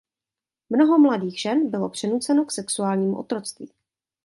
Mnoho mladých žen bylo přinuceno k sexuálnímu otroctví.